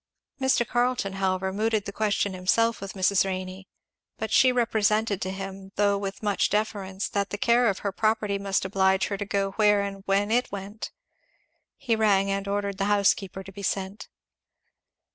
Mr. Carleton however mooted the question himself with Mrs. Renney, but she represented to him, though with much deference, that the care of her property must oblige her to go where and when it went. He rang and ordered the housekeeper to be sent.